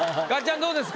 どうですか？